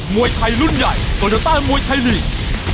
มวยไทยรุ่นใหญ่โตโยต้ามวยไทยลีก